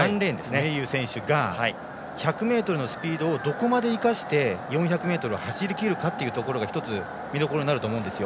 メイユー選手が１００ｍのスピードをどこまで生かして４００ｍを走りきるかが１つ、見どころになると思うんですよ。